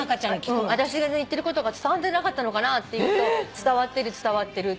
うん私が言ってることが伝わってなかったのかなって言うと「伝わってる伝わってる」って。